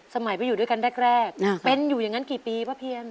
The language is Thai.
สมัยไปอยู่ด้วยกันแรกเป็นอยู่อย่างนั้นกี่ปีป้าเพียน